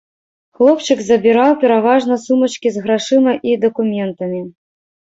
Хлопчык забіраў пераважна сумачкі з грашыма і дакументамі.